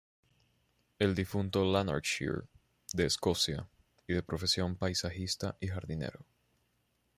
El difunto Lanarkshire, de Escocia, y de profesión paisajista y jardinero.